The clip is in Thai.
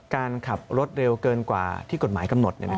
การขับรถเร็วเกินกว่าที่กฎหมายกำหนด